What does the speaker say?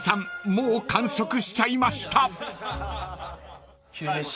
もう完食しちゃいました］